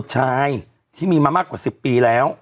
เราก็มีความหวังอะ